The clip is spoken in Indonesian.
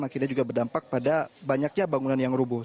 akhirnya juga berdampak pada banyaknya bangunan yang rubuh